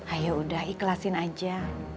ayok udah ikhlasin aja